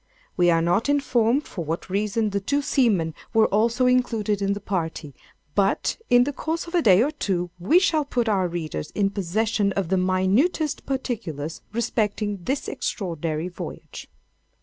We are not informed for what reason the two seamen were also included in the party—but, in the course of a day or two, we shall put our readers in possession of the minutest particulars respecting this extraordinary voyage.